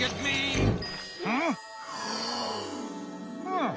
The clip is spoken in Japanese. うん。